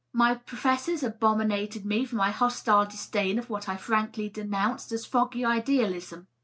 My professors abominated me for my hostile disdain of what I frankly denounced as foggy idealism.